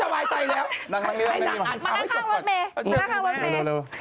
ไปนั่งข้างรถเมปร์